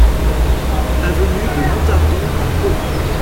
Avenue de Montardon à Pau